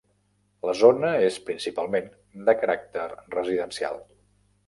La zona és principalment de caràcter residencial.